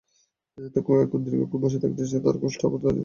এখন দীর্ঘক্ষণ বসে থাকতেও তাঁর কষ্ট, আবার দাঁড়িয়েও থাকতে পারেন না।